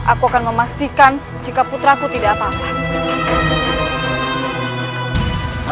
aku akan memastikan jika putraku tidak apa apa